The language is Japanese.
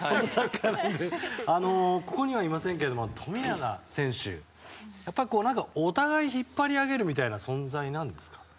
ここにはいませんが富永選手、やっぱりお互い引っ張り上げるみたいな存在なんですかね？